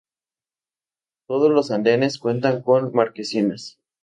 Todos los andenes cuentan con marquesinas.